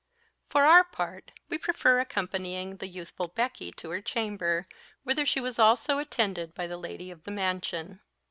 For our part, we prefer accompanying the youthful Becky to her chamber, whither she was also attended by the lady of the mansion.